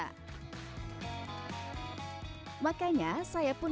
makanya saya pun berharap untuk berjalan ke desa gegesi kulon